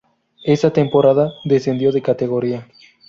Esa temporada descendió de categoría.